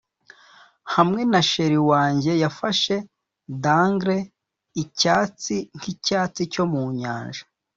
hamwe na cheri wanjye yafashe dangler icyatsi nkicyatsi cyo mu nyanja